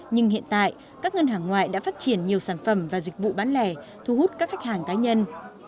nhưng hiện tại các ngân hàng ngoại đã phát triển nhiều sản phẩm và dịch vụ bán lẻ thu hút các khách hàng cá nhân